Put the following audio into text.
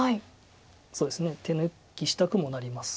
そうですね手抜きしたくもなります。